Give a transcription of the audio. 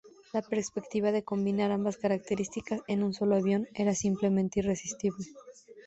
La perspectiva de combinar ambas características en un solo avión era simplemente irresistible.